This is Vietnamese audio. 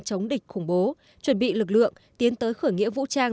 chống địch khủng bố chuẩn bị lực lượng tiến tới khởi nghĩa vũ trang